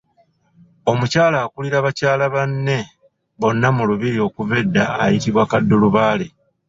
Omukyala akulira bakyala banne bonna mu Lubiri okuva edda ayitibwa Kaddulubaale.